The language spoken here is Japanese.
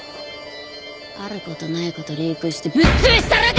ある事ない事リークしてぶっ潰したろか！？